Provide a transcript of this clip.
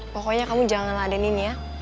pokoknya kamu jangan ladenin ya